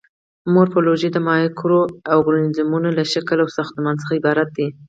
مورفولوژي د مایکرو ارګانیزمونو له شکل او ساختمان څخه عبارت دی.